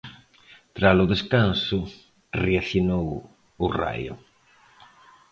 Tras o descanso, reaccionou o Raio.